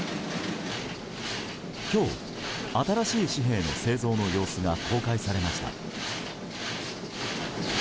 今日、新しい紙幣の製造の様子が公開されました。